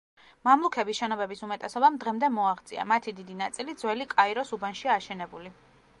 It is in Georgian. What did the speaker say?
მამლუქების შენობების უმეტესობამ დღემდე მოაღწია, მათი დიდი ნაწილი ძველი კაიროს უბანშია აშენებული.